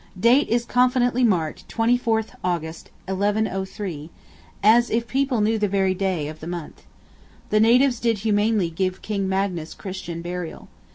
Date is confidently marked "24 August, 1103," as if people knew the very day of the month. The natives did humanely give King Magnus Christian burial.